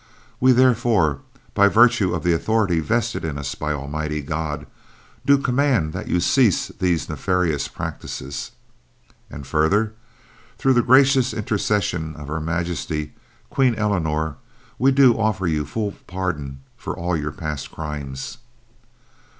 We therefore, by virtue of the authority vested in us by Almighty God, do command that you cease these nefarious practices!!!!! And further, through the gracious intercession of Her Majesty, Queen Eleanor, we do offer you full pardon for all your past crimes!!!!!